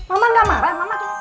mama gak marah